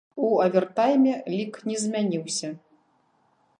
У авертайме лік не змяніўся.